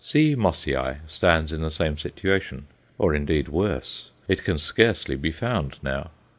C. Mossiæ stands in the same situation or indeed worse; it can scarcely be found now.